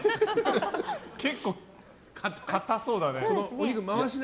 結構、硬そうだね。